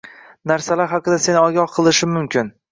Narsalar haqida seni ogoh qilishi mumkin.